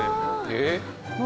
「えっ？」